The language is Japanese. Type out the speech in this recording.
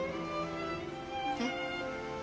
えっ？